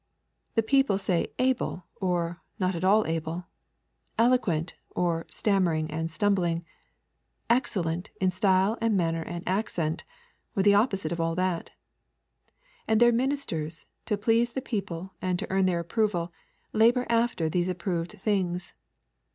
The people say 'able,' or 'not at all able'; 'eloquent,' or 'stammering and stumbling'; 'excellent' in style and manner and accent, or the opposite of all that; and their ministers, to please the people and to earn their approval, labour after these approved things.